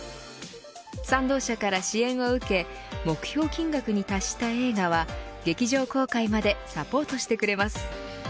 賛同者から支援を受け目標金額に達した映画は劇場公開までサポートしてくれます。